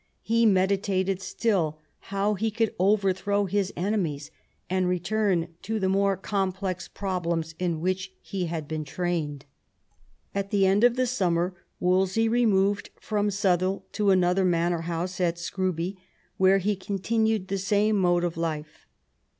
He meditated still how he could overthrow his enemies and return to the more complex problems in which he had been trained. At the end of the summer Wolsey removed from Southwell to another manor house at Scrooby, where he continued the same mode of life.